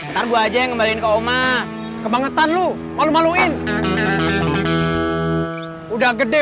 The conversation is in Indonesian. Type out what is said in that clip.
ntar gue aja yang ngembaliin ke oma kebangetan lu malu maluin udah gede